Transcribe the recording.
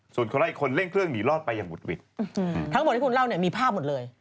ส่วนคนร้ายของเล่นเครื่องหนีรอดไปอย่างวุดวิทย์